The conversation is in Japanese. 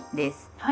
はい。